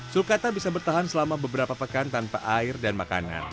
sulkata bisa bertahan selama beberapa pekan tanpa air dan makanan